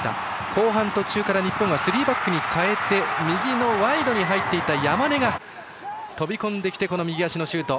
後半途中から、日本はスリーバックに変えて右のワイドに入っていた山根が飛び込んできて右足のシュート。